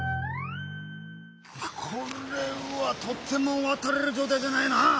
これはとてもわたれるじょうたいじゃないな。